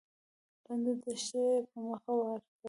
لنډه دښته يې په مخه ورکړه.